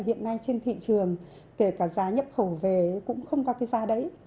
hiện nay trên thị trường kể cả giá nhập khẩu về cũng không có cái giá đấy